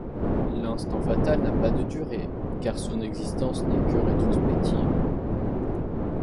L'instant fatal n'a pas de durée, car son existence n'est que rétrospective.